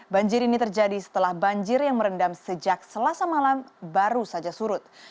banjir ini terjadi setelah banjir yang merendam sejak selasa malam baru saja surut